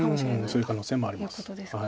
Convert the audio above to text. そういう可能性もあります。